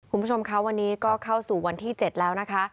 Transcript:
คุณผู้ชมคะวันนี้ก็เข้าสู่วันที่๗แล้วนะคะ